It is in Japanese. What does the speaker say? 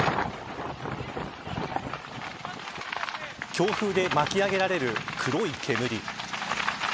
強風で巻き上げられる黒い煙。